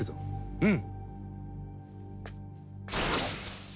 うん。